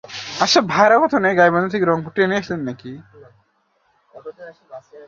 শুধু অনুশীলনের দরকার।